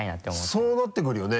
そうなってくるよね？